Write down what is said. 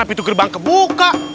mana pintu gerbang kebuka